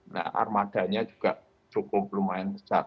nah armadanya juga cukup lumayan besar